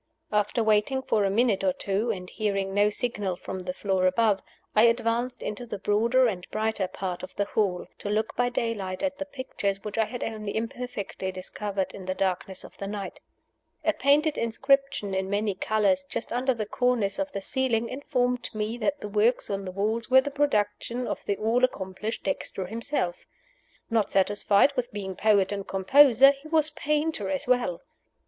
After waiting for a minute or two, and hearing no signal from the floor above, I advanced into the broader and brighter part of the hall, to look by daylight at the pictures which I had only imperfectly discovered in the darkness of the night. A painted inscription in many colors, just under the cornice of the ceiling, informed me that the works on the walls were the production of the all accomplished Dexter himself. Not satisfied with being poet and composer, he was painter as well.